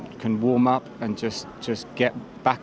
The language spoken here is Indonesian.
di mana mereka bisa berkembang